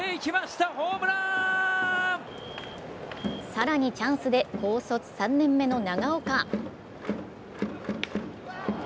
更に、チャンスで高卒３年目の長岡。